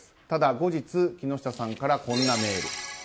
ただ後日木下さんからこんなメール。